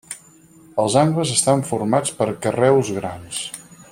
Els angles estan formats per carreus grans.